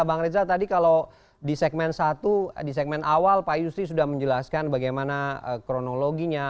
bang reza tadi kalau di segmen satu di segmen awal pak yusri sudah menjelaskan bagaimana kronologinya